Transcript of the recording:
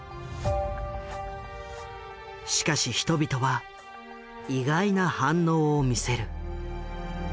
しかし人々は意外な反応を見せる。